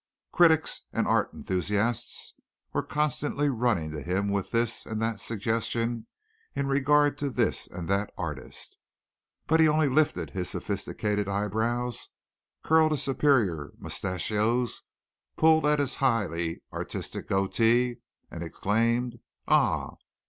Critics and art enthusiasts were constantly running to him with this and that suggestion in regard to this and that artist, but he only lifted his sophisticated eyebrows, curled his superior mustachios, pulled at his highly artistic goatee, and exclaimed: "Ah!"